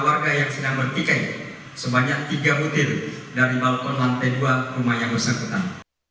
warga yang sedang bertikai sebanyak tiga butir dari lantai dua rumah yang bersangkutan